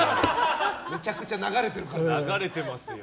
めちゃくちゃ流れてるから。